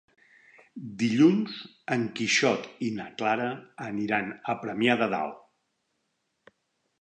Dilluns en Quixot i na Clara aniran a Premià de Dalt.